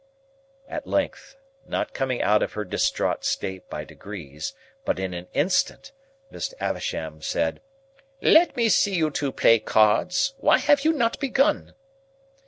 At length, not coming out of her distraught state by degrees, but in an instant, Miss Havisham said, "Let me see you two play cards; why have you not begun?"